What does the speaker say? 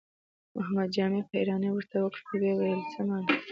محمد جامي په حيرانۍ ورته وکتل، ويې ويل: څه مانا؟